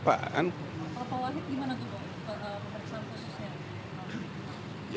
pak wahid gimana tuh pereksaan khususnya